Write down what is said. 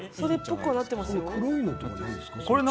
黒いのは何ですか？